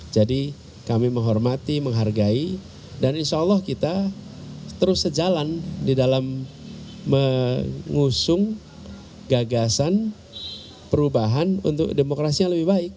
jadi kami menghormati menghargai dan insya allah kita terus sejalan di dalam mengusung gagasan perubahan untuk demokrasi yang lebih baik